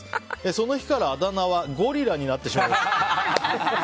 その日から、あだ名はゴリラになってしまいました。